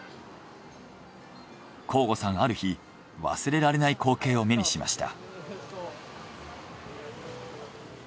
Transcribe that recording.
向後さんある日忘れられない光景を目にしました。